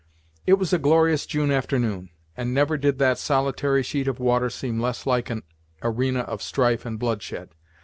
It was a glorious June afternoon, and never did that solitary sheet of water seem less like an arena of strife and bloodshed.